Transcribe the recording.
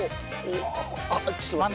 あっちょっと待って。